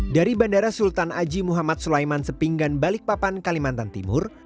dari bandara sultan haji muhammad sulaiman sepinggan balikpapan kalimantan timur